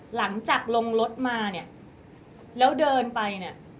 หลังจากลงรถมาเนี่ยแล้วเดินไปเนี่ย